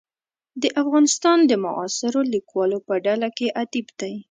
د افغانستان د معاصرو لیکوالو په ډله کې ادیب دی.